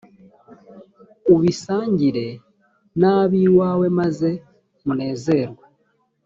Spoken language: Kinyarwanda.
ubisangire n’ab’iwawe, maze munezerwe.